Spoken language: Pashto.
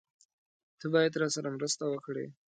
تۀ باید راسره مرسته وکړې!